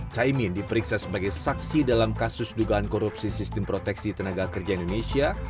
caimin diperiksa sebagai saksi dalam kasus dugaan korupsi sistem proteksi tenaga kerja indonesia